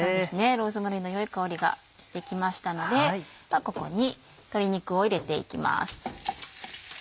ローズマリーの良い香りがしてきましたのでではここに鶏肉を入れていきます。